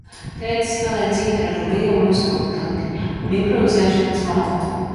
Tētis spēlēja cītaru ar lielu muzikalitāti un improvizēšanas māku.